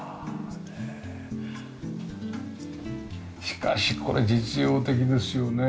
しかしこれ実用的ですよね。